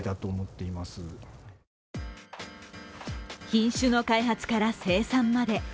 品種の開発から生産まで。